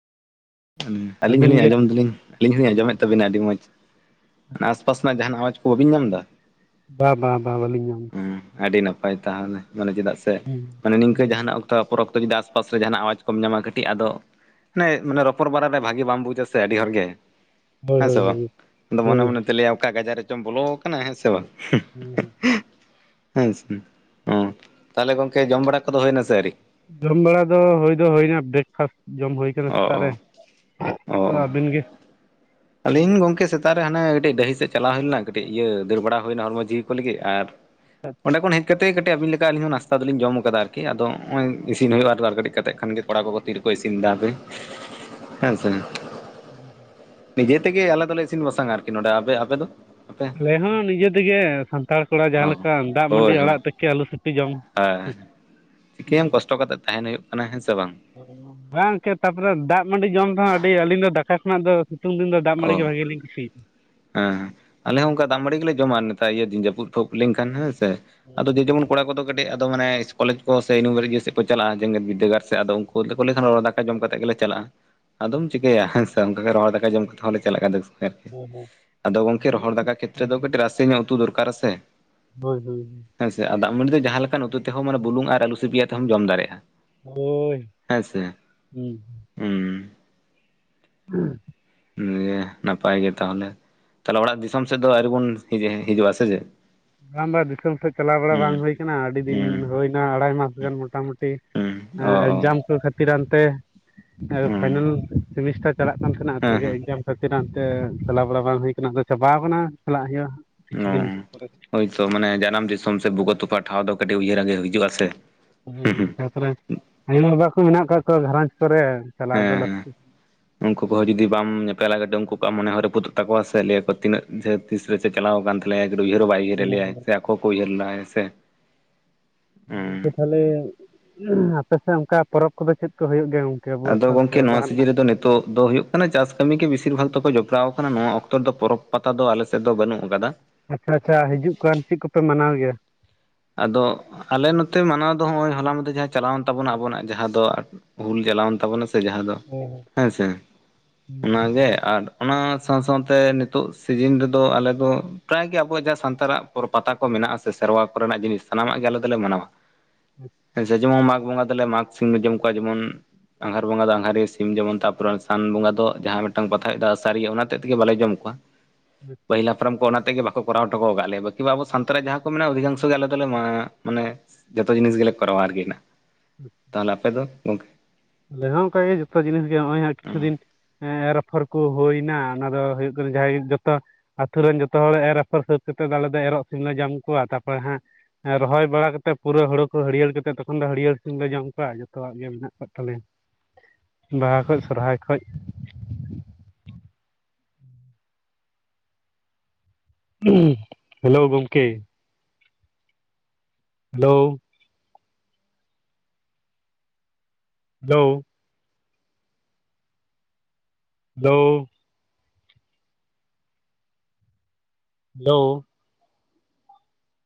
ᱦᱩᱸ ᱟᱹᱞᱤᱧ ᱟᱹᱵᱤᱱ ᱦᱚᱸᱞᱤᱧ ᱜᱮ ᱟᱸᱡᱚᱢ ᱫᱟᱞᱧ ᱟᱹᱞᱤᱧ ᱦᱚᱞᱤᱧ ᱟᱸᱡᱚᱢᱮᱫ ᱛᱟᱵᱤᱱᱟ ᱟᱹᱰᱤ ᱢᱚᱸᱡᱽ ᱚᱱᱟ ᱟᱥ-ᱯᱟᱥ ᱨᱮᱱᱟᱜ ᱡᱟᱦᱱᱟᱜ ᱟᱶᱭᱟᱡᱽ ᱠᱚ ᱵᱟᱹᱵᱤᱱ ᱧᱟᱢ ᱮᱫᱟ ᱵᱟᱝ ᱵᱟᱝ ᱵᱟᱝ ᱵᱟᱹᱞᱤᱧ ᱧᱟᱢᱟ ᱦᱩᱸ ᱟᱹᱰᱤ ᱱᱟᱯᱟᱭ ᱛᱟᱦᱚᱞᱮ ᱢᱟᱱᱮ ᱪᱮᱫᱟᱜ ᱥᱮ ᱦᱩᱸ ᱢᱟᱱᱮ ᱱᱤᱝᱠᱟᱹ ᱦᱩᱸ ᱡᱟᱦᱟᱱᱟᱜ ᱛᱟᱨᱯᱚᱨ ᱚᱠᱛᱚ ᱡᱩᱫᱤ ᱟᱥ ᱯᱟᱥ ᱨᱮ ᱡᱟᱦᱱᱟᱜ ᱟᱣᱭᱟᱡᱽ ᱠᱚᱢ ᱧᱟᱢᱟ ᱠᱟᱹᱴᱤᱡ ᱟᱫᱚ ᱢᱟᱱᱮ ᱨᱚᱯᱚᱲ ᱵᱟᱨᱟ ᱨᱮ ᱵᱷᱟᱹᱜᱤ ᱵᱟᱢ ᱵᱩᱡᱟ ᱥᱮ ᱟᱹᱰᱤ ᱦᱚᱲ ᱜᱮ ᱦᱳᱭ ᱦᱮᱸ ᱥᱮ ᱦᱳᱭ ᱦᱳᱭ ᱵᱟᱝ ᱟᱫᱚ ᱢᱚᱱᱮ ᱦᱳᱭ ᱢᱚᱱᱮ ᱦᱳᱭ ᱛᱮ ᱞᱟᱹᱭᱟᱢ ᱚᱠᱟ ᱜᱟᱡᱟᱲ ᱨᱮᱪᱚᱢ ᱵᱚᱞᱚ ᱠᱟᱱᱟ ᱦᱮᱸ ᱥᱮ ᱵᱟᱝ ᱦᱩᱸ ᱦᱩᱸ [unintelligible] ᱦᱮᱸ ᱥᱮ ᱚᱸ ᱛᱟᱦᱞᱮ ᱜᱚᱝᱠᱮ ᱡᱚᱢ ᱵᱟᱲᱟ ᱠᱚᱫᱚ ᱦᱩᱭᱱᱟ ᱥᱮ ᱟᱣᱨᱤ ᱡᱚᱢ ᱵᱟᱲᱟ ᱫᱚ ᱦᱩᱭ ᱫᱚ ᱦᱩᱭᱱᱟ ᱵᱨᱮᱠᱯᱷᱟᱥᱴ ᱡᱚᱢ ᱦᱩᱭ ᱚ ᱥᱮᱛᱟᱜ ᱚ ᱨᱮ ᱚ ᱚ ᱟᱵᱤᱱ ᱜᱮ ᱟᱹᱞᱤᱧ ᱜᱚᱝᱠᱮ ᱥᱮᱛᱟᱜ ᱨᱮ ᱦᱟᱱᱮ ᱠᱟᱹᱴᱤᱡ ᱰᱟᱹᱦᱤ ᱥᱮᱫ ᱪᱟᱞᱟᱣ ᱦᱩᱭ ᱞᱮᱱᱟ ᱠᱟᱹᱴᱤᱡ ᱤᱭᱟᱹ ᱫᱟᱹᱲ ᱵᱟᱲᱟ ᱦᱩᱭᱱᱟ ᱦᱚᱲᱢᱚ ᱡᱤᱣᱤ ᱠᱚ ᱞᱟᱹᱜᱤᱫ ᱟᱨ ᱚᱸᱰᱮ ᱠᱷᱚᱱ ᱦᱮᱡ ᱠᱟᱹᱛᱮ ᱠᱟᱹᱴᱤᱡ ᱟᱵᱤᱱ ᱞᱮᱠᱟ ᱟᱹᱞᱤᱧ ᱦᱚᱸ ᱱᱟᱥᱛᱟ ᱫᱚᱞᱤᱧ ᱡᱚᱢ ᱟᱠᱟᱫᱟ ᱟᱨᱠᱤ ᱟᱫᱚ ᱱᱚᱜ-ᱚᱭ ᱤᱥᱤᱱ ᱦᱩᱭᱩᱜᱼᱟ ᱟᱨ ᱠᱟᱹᱴᱤᱡ ᱠᱟᱛᱮ ᱠᱷᱟᱱ ᱜᱮ ᱠᱚᱲᱟ ᱠᱚᱠᱚ ᱛᱤᱨᱮ ᱠᱚ ᱠᱚᱭ ᱤᱥᱤᱱ ᱫᱟ ᱦᱟᱯᱮ ᱦᱮᱸ ᱥᱮ ᱱᱤᱡᱮ ᱛᱮᱜᱮ ᱟᱞᱮ ᱫᱚᱞᱮ ᱤᱥᱤᱱ ᱵᱟᱥᱟᱝᱟ ᱟᱨᱠᱤ ᱱᱚᱰᱮ ᱟᱯᱮ ᱟᱯᱮ ᱫᱚ ᱟᱯᱮ ᱟᱞᱮ ᱦᱚᱸ ᱱᱤᱡᱮ ᱛᱮᱜᱮ ᱥᱟᱱᱛᱟᱲ ᱠᱚᱲᱟ ᱡᱟᱦᱟᱸ ᱚ ᱞᱮᱠᱟ ᱫᱟᱜ ᱢᱟᱺᱰᱤ ᱦᱳᱭ ᱦᱳᱭ ᱟᱲᱟᱜ ᱛᱮᱠᱮ ᱟᱞᱩ ᱥᱤᱯᱤ ᱡᱚᱢ ᱦᱮᱸ [inaudible] ᱠᱟᱥᱴᱚ ᱠᱟᱛᱮ ᱛᱟᱦᱮᱱ ᱦᱩᱭᱩᱜᱼᱟ ᱠᱟᱱᱟ ᱦᱮᱸ ᱥᱮ ᱵᱟᱝ ᱵᱟᱝ ᱠᱮ ᱛᱟᱨᱯᱚᱨᱮ ᱫᱟᱜ ᱢᱟᱺᱰᱤ ᱡᱚᱢ ᱨᱮᱦᱚᱸ ᱟᱹᱰᱤ ᱟᱹᱞᱤᱧ ᱫᱚ ᱫᱟᱠᱟ ᱠᱷᱚᱱᱟᱜ ᱫᱚ ᱥᱤᱛᱩᱝ ᱫᱤᱱ ᱫᱚ ᱫᱟᱜ ᱚ ᱢᱟᱺᱲᱤ ᱜᱮ ᱵᱷᱟᱜᱮᱞᱤᱧ ᱠᱩᱥᱤᱭᱟᱜ-ᱟ ᱦᱮᱸ ᱦᱮᱸ ᱟᱞᱮ ᱦᱚᱸ ᱚᱱᱠᱟ ᱫᱟᱢ ᱢᱲᱤ ᱜᱮᱞᱮ ᱡᱚᱢᱟ ᱱᱮᱛᱟᱨ ᱤᱭᱟᱹ ᱫᱤᱱ ᱡᱟᱹᱯᱩᱫ ᱯᱷᱟᱠ ᱞᱮᱱᱠᱷᱟᱱ ᱦᱮᱸᱥᱮ ᱟᱫᱚ ᱡᱮ ᱡᱮᱢᱚᱱ ᱠᱚᱲᱟ ᱠᱚᱫᱚ ᱠᱟᱹᱴᱤ ᱟᱫᱚ ᱢᱟᱱᱮ ᱠᱚᱞᱮᱡᱽ ᱠᱚ ᱥᱮ ᱤᱭᱤᱵᱷᱟᱨᱤ ᱤᱭᱟᱹ ᱥᱮᱫ ᱪᱟᱞᱼᱟ ᱡᱮᱜᱮᱫ ᱵᱤᱨᱫᱫᱟᱹᱜᱟᱲ ᱥᱮ ᱟᱫᱚ ᱩᱱᱠᱩ ᱛᱮᱠᱚ ᱞᱟᱹᱭ ᱠᱷᱟᱱ ᱨᱚᱦᱚᱲ ᱫᱟᱠᱟᱠᱚ ᱫᱟᱠᱟ ᱡᱚᱢ ᱠᱟᱛᱮᱫ ᱜᱮ ᱪᱟᱞᱟᱜᱼᱟ ᱟᱫᱚᱢ ᱪᱤᱠᱟᱹᱭᱟ ᱦᱮᱸ ᱥᱮ ᱚᱱᱠᱟ ᱜᱮ ᱨᱚᱦᱚᱲ ᱫᱟᱠᱟ ᱡᱚᱢ ᱠᱟᱛᱮᱫ ᱦᱚᱸᱞᱮ ᱪᱟᱞᱟᱜ ᱠᱟᱱ ᱛᱟᱦᱮᱫ [unintelligible] [inaudible] ᱟᱫᱚ ᱜᱚᱝᱠᱮ ᱨᱚᱦᱚᱲ ᱫᱟᱠᱟ ᱠᱷᱮᱛᱛᱨᱮ ᱫᱚ ᱠᱟᱹᱴᱤᱡ ᱨᱟᱥᱮ ᱧᱚᱜ ᱩᱛᱩ ᱫᱚᱨᱠᱟᱨᱟ ᱥᱮ ᱦᱳᱭ ᱦᱳᱭ ᱦᱮᱸᱥᱮ ᱟᱨ ᱫᱟᱜ ᱢᱟᱺᱰᱤ ᱫᱚ ᱡᱟᱦᱟᱸ ᱞᱮᱠᱟᱱ ᱩᱛᱩ ᱛᱮ ᱦᱚᱸ ᱢᱟᱱᱮ ᱵᱩᱞᱩᱝ ᱟᱨ ᱟᱹᱞᱩ ᱥᱤᱯᱤᱭᱟ ᱛᱮ ᱦᱚᱸᱢ ᱡᱚᱢ ᱫᱟᱲᱮᱭᱟᱜᱼᱟ ᱦᱳᱭ ᱦᱮᱸ ᱥᱮ ᱦᱩᱸ ᱦᱩᱸ [unintelligible] ᱱᱟᱯᱟᱭ ᱜᱮ ᱛᱟᱦᱚᱞᱮ ᱛᱟᱦᱞᱮ ᱚᱲᱟᱜ ᱫᱤᱥᱚᱢ ᱥᱮᱫ ᱫᱚ ᱟᱹᱣᱨᱤ ᱵᱚᱱ ᱦᱤᱡᱩᱜᱼᱟ ᱥᱮ ᱪᱮᱫ ᱵᱟᱝ ᱵᱟᱝ ᱫᱤᱥᱚᱢ ᱥᱮᱫ ᱪᱟᱞᱟᱣ ᱵᱟᱲᱟ ᱵᱟᱝ ᱦᱩᱸ ᱦᱩᱭ ᱠᱟᱱᱟ ᱟᱹᱰᱤ ᱫᱤᱱ ᱦᱩᱸ ᱦᱩᱭᱱᱟ ᱟᱲᱟᱭ ᱢᱟᱥ ᱜᱟᱱ ᱢᱳᱴᱟᱢᱩᱴᱤ ᱦᱩᱸ ᱚ ᱦᱮᱸ ᱚ ᱮᱠᱡᱟᱢ ᱠᱚ ᱠᱷᱛᱤᱨ ᱯᱦᱤᱨ ᱦᱟᱱᱛᱮ ᱦᱩᱸ ᱯᱷᱟᱭᱱᱞ ᱥᱮᱢᱤᱥᱴᱟᱨ ᱪᱟᱞᱟᱜ ᱠᱟᱱ ᱛᱟᱦᱮᱱᱟ ᱦᱮᱸ ᱛᱟᱦᱚᱞᱮ ᱮᱠᱡᱟᱢ ᱥᱟᱹᱠᱛᱤ [unintelligible] ᱱᱟᱛᱮ ᱪᱟᱞᱟ ᱵᱟᱲᱟ ᱵᱟᱝ ᱦᱩᱭ ᱠᱟᱱᱟ ᱟᱫᱚ ᱪᱟᱵᱟᱣ ᱟᱠᱟᱱᱟ ᱪᱟᱞᱟᱜ ᱦᱩᱭᱩᱜᱼᱟ ᱾ ᱚ ᱦᱳᱭᱛᱚ ᱢᱟᱱᱮ ᱡᱟᱱᱟᱢ ᱫᱤᱥᱚᱢ ᱥᱮ ᱵᱩᱠᱟᱹ ᱛᱚᱯᱟ ᱴᱷᱟᱶ ᱫᱚ ᱠᱟᱹᱴᱤᱡ ᱩᱭᱦᱟᱹᱨ ᱟᱜᱮ ᱦᱤᱡᱩᱜ ᱟ ᱥᱮ ᱾ ᱦ ᱛᱟᱯᱚᱨᱮ ᱟᱭᱚ ᱵᱟᱵᱟ ᱠᱚ ᱢᱮᱱᱟᱜ ᱟᱠᱟᱜ ᱠᱚᱣᱟ ᱜᱷᱟᱨᱚᱸᱡᱽ ᱠᱚᱨᱮ ᱾ ᱦᱮᱸ ᱦᱮᱸ ᱩᱱᱠᱩ ᱠᱚᱦ ᱡᱩᱫᱤ ᱵᱟᱢ ᱧᱮᱯᱮᱞᱟ ᱜᱰᱤ ᱩᱱᱠᱩ ᱠᱚᱣᱟᱜ ᱢᱚᱱᱮ ᱦᱚᱸᱨᱟᱯᱩᱫᱚᱜ ᱛᱟᱠᱚ ᱥᱮ ᱞᱟᱹᱭᱟᱠᱚ ᱛᱤᱱᱟᱹᱜ ᱡᱷᱟᱹᱛ ᱛᱤᱥ ᱨᱮ ᱪᱮ ᱪᱟᱞᱟᱣ ᱟᱠᱟᱱ ᱛᱟᱞᱮᱭᱟᱭ ᱩᱭᱦᱟᱹᱨ ᱦᱚᱸ ᱵᱟᱭ ᱩᱭᱦᱟᱹᱨ ᱞᱮᱭᱟᱭ ᱥᱮ ᱟᱠᱚ ᱠᱚ ᱩᱭᱦᱟᱹᱨ ᱞᱟᱦᱟᱭ ᱥᱮ ᱦᱩᱸ ᱜᱚᱝᱠᱮ ᱛᱟᱦᱚᱞᱮ ᱟᱯᱮᱥᱮᱫ ᱚᱱᱠᱟ ᱯᱚᱨᱚᱵᱽ ᱠᱚᱫᱚ ᱪᱮᱫ ᱠᱚ ᱦᱩᱭᱩᱜ ᱜᱮᱭᱟ ᱾ ᱟᱫᱚ ᱜᱚᱝᱠᱮ ᱱᱚᱣᱟ ᱥᱤᱡᱤᱱ ᱨᱮᱫᱚ ᱛᱚᱜ ᱫᱚ ᱦᱳᱭᱳᱜ ᱠᱟᱱᱟ ᱪᱟᱥ ᱠᱟᱹᱢᱤ ᱜᱮ ᱵᱤᱥᱤᱨ ᱵᱷᱟᱜᱽ ᱛᱮᱠᱚ ᱡᱚᱯᱲᱟᱣ ᱟᱠᱟᱱᱟ ᱱᱚᱣᱟ ᱚᱠᱛᱚ ᱨᱮᱫᱚ ᱯᱚᱨᱚᱵ ᱯᱟᱛᱟ ᱫᱚ ᱟᱞᱮᱥᱮᱫ ᱫᱚ ᱵᱟᱹᱱᱩᱜ ᱟᱠᱟᱫᱟ ᱾ ᱦᱟᱯᱨᱟ ᱪᱟ ᱦᱤᱡᱩᱜ ᱠᱟᱱ ᱪᱮᱫ ᱠᱚᱯᱮ ᱢᱟᱱᱟᱣ ᱜᱮᱭᱟ ᱾ ᱟᱫᱚ ᱟᱞᱮ ᱱᱚᱛᱮ ᱢᱟᱱᱟᱣ ᱫᱚ ᱱᱚᱜᱼᱚᱭ ᱦᱚᱞᱟ ᱢᱟᱫᱮ ᱡᱟᱦᱟᱸ ᱪᱟᱞᱟᱣᱮᱱ ᱛᱟᱵᱚᱱᱟ ᱟᱵᱚᱱᱟᱜ ᱡᱟᱦᱟᱸ ᱫᱚ ᱦᱩᱞ ᱪᱟᱞᱟᱣᱮᱱ ᱛᱟᱵᱚᱱᱟ ᱥᱮ ᱡᱟᱦᱟᱸ ᱫᱚ ᱚ ᱦᱮᱸ ᱥᱮ ᱦᱩᱸ ᱦᱩᱸ ᱚᱱᱟᱜᱮ ᱟᱨ ᱚᱱᱟ ᱥᱟᱶ ᱥᱟᱶᱛᱮ ᱱᱤᱛᱚᱜ ᱥᱤᱡᱤᱱ ᱨᱮᱫᱚ ᱟᱞᱮ ᱫᱚ ᱯᱨᱟᱭ ᱜᱮ ᱟᱵᱚᱣᱟᱜ ᱡᱟᱦᱟᱸ ᱥᱟᱱᱛᱟᱲᱟᱜ ᱯᱨᱚ ᱯᱟᱛᱟ ᱠᱚ ᱢᱮᱱᱟᱜᱼᱟ ᱥᱮᱨᱣᱟ ᱠᱚ ᱠᱚᱨᱮᱱᱟᱜ ᱡᱤᱱᱤᱥ ᱥᱟᱱᱟᱢᱟᱜ ᱜᱮ ᱟᱞᱮ ᱫᱚᱞᱮ ᱢᱟᱱᱟᱣᱟ ᱦᱮᱸᱥᱮ ᱡᱮᱢᱚᱱ ᱢᱟᱜᱽ ᱵᱚᱸᱜᱟ ᱫᱚᱞᱮ ᱢᱟᱜᱽ ᱥᱤᱢ ᱞᱮ ᱡᱚᱢ ᱠᱚᱣᱟ ᱡᱮᱢᱚᱱ ᱟᱜᱷᱟᱷᱟᱨ ᱵᱚᱸᱜᱟ ᱫᱚ ᱟᱸᱜᱷᱟᱨ ᱥᱤᱢ ᱡᱮᱢᱚᱱ ᱛᱟᱨᱯᱚᱨᱮ ᱥᱟᱱ ᱵᱚᱸᱜᱟ ᱫᱚ ᱡᱟᱦᱟᱸ ᱢᱤᱫᱴᱟᱝ ᱯᱟᱛᱷᱟᱭᱫᱟ ᱟᱥᱟᱨᱤᱭᱟᱹ ᱚᱱᱟ ᱛᱮᱫ ᱛᱮᱜᱮ ᱵᱟᱞᱮ ᱡᱚᱢ ᱠᱚᱣᱟ ᱾ ᱯᱟᱹᱦᱤᱞ ᱦᱟᱯᱲᱟᱢ ᱠᱚ ᱚᱱᱟᱛᱮᱜᱮ ᱵᱟᱠᱚ ᱠᱚᱨᱟᱣ ᱦᱚᱴᱚ ᱟᱠᱟᱫ ᱞᱮᱭᱟ ᱵᱟᱹᱠᱤ ᱵᱟ ᱟᱵᱚ ᱥᱟᱱᱛᱟᱲ ᱡᱟᱦᱟᱸ ᱠᱚ ᱢᱮᱱᱟᱜᱼᱟ ᱚᱫᱷᱤᱷᱟᱝᱥ ᱡᱚᱛᱚ ᱜᱮ ᱟᱞᱮ ᱫᱚᱞᱮ ᱢᱟ ᱢᱟᱱᱮ ᱡᱚᱛᱚ ᱡᱤᱱᱤᱥ ᱜᱮᱞᱮ ᱠᱚᱨᱟᱣᱟ ᱟᱨᱠᱤ ᱱᱟ ᱛᱟᱦᱚᱞᱮ ᱟᱯᱮ ᱫᱚ ᱜᱚᱢᱠᱮ? ᱟᱞᱮ ᱦᱚᱸ ᱚᱱᱠᱟ ᱜᱮ ᱡᱚᱛᱚ ᱡᱤᱱᱤᱥ ᱜᱮ ᱱᱚᱜᱼᱚᱭ ᱦᱟᱜ ᱠᱤᱪᱷᱩ ᱫᱤᱱ ᱨᱚᱯᱷᱚᱨ ᱠᱚ ᱦᱩᱭᱱᱟ ᱚᱱᱟ ᱫᱚ ᱦᱩᱭᱩᱜ ᱠᱟᱱᱟ ᱡᱟᱦᱟᱸᱭ ᱜᱮ ᱡᱚᱛᱚ ᱟᱛᱳ ᱨᱮᱱ ᱡᱚᱛᱚ ᱦᱚᱲ ᱮᱨ ᱟᱯᱷᱚᱨ ᱥᱟᱹᱛ ᱠᱟᱛᱮᱫ ᱟᱞᱮ ᱫᱚ ᱮᱨᱚᱜ ᱥᱤᱢᱞᱮ ᱧᱚᱢ ᱠᱚᱣᱟ ᱛᱟᱨᱯᱚᱨᱮ ᱦᱟᱸᱜ ᱨᱚᱦᱚᱭ ᱵᱟᱲᱟ ᱠᱟᱛᱮ ᱯᱩᱨᱟᱹ ᱦᱩᱲᱩ ᱠᱚ ᱦᱟᱹᱨᱭᱟᱹᱲ ᱠᱟᱛᱮ ᱛᱚᱠᱷᱚᱱ ᱫᱚ ᱦᱟᱹᱨᱭᱟᱹᱲ ᱥᱤᱢ ᱞᱮ ᱡᱚᱢ ᱠᱚᱣᱟ ᱡᱚᱛᱚᱣᱟᱜ ᱜᱮ ᱢᱮᱱᱟᱜ ᱠᱚᱫᱣᱟ ᱛᱟᱞᱮ ᱵᱟᱦᱟ ᱠᱷᱚᱡᱽ ᱥᱚᱨᱦᱟᱭ ᱠᱷᱡ ᱦᱮᱞᱳ ᱜᱚᱢᱠᱮ ᱦᱮᱞᱳ ᱦᱮᱞᱳ ᱦᱮᱞᱳ ᱦᱮᱞᱳ